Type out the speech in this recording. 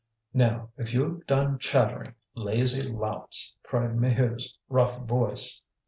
"Now, if you've done chattering, lazy louts!" cried Maheu's rough voice.